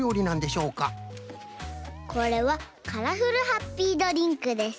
これはカラフルハッピードリンクです。